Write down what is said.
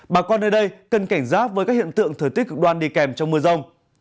bà con ở đây cần cảnh giáp với các hiện tượng thời tiết cực đoan đi kèm trong mưa rông